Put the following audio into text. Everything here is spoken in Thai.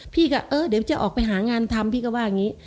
พี่ก็เออเดี๋ยวจะออกไปหางานทำพี่ก็ว่าอย่างนี้